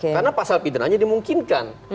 karena pasal pidananya dimungkinkan